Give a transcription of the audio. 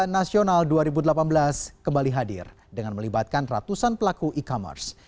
nasional dua ribu delapan belas kembali hadir dengan melibatkan ratusan pelaku e commerce